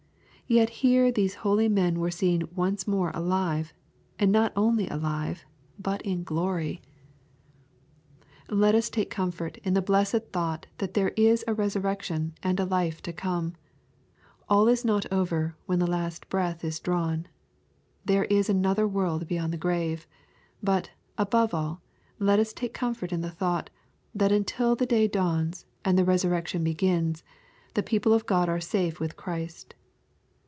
Yet here these holy men were seen once more alive, and not only alive, but in glory ! i S16 EXPOSITOBY THOUGHTS. Let ois take comfort in the blessed thouglil that there is a resurrection and a life to come. All^s gnt over, when the last breath is^^drawn. There is another world beyond the grave. But, above all, let us take comfort in the thought, that until the day dawns, and the resur rection begins, the people of God are. 4safe with Christ.